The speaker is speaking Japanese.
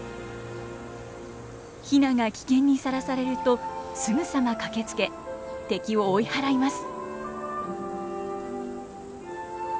ヒナが危険にさらされるとすぐさま駆けつけ敵を追い払います。